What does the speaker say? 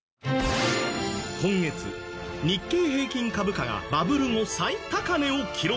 今月、日経平均株価がバブル後最高値を記録。